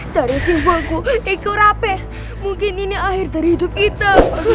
cari simbolku eko rape mungkin ini akhir dari hidup kita